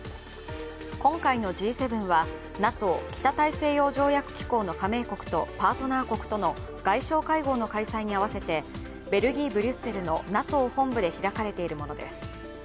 今回のＧ７はＮＡＴＯ＝北大西洋条約機構の加盟国とパートナー国との外相会合の開催に合わせてベルギー・ブリュッセルのＮＡＴＯ本部で開かれているものです。